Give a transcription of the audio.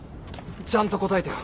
ちゃんと答えてよ。